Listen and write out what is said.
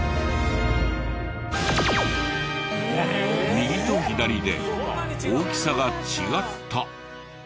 右と左で大きさが違った。